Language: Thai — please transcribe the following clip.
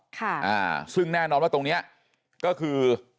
ค่ะอ่าซึ่งแน่นอนว่าตรงเนี้ยก็คือ